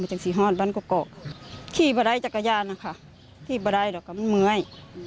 อืมเพราะว่าในกิ้งไม่มีมอเตอร์ไฟ